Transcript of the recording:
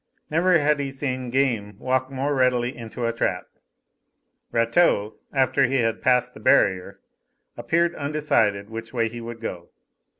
Never had he seen game walk more readily into a trap. Rateau, after he had passed the barrier, appeared undecided which way he would go.